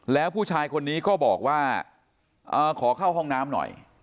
แล้วผู้ชายคนนี้ก็บอกว่าขอเข้าห้องน้ำหน่อย